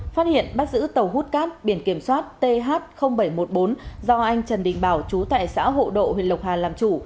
phát hiện bắt giữ tàu hút cát biển kiểm soát th bảy trăm một mươi bốn do anh trần đình bảo chú tại xã hộ độ huyện lộc hà làm chủ